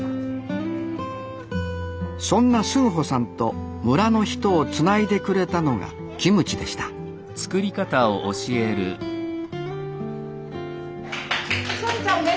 そんなスンホさんと村の人をつないでくれたのがキムチでしたスンちゃんです。